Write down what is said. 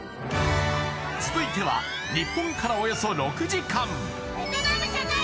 続いては日本からおよそ６時間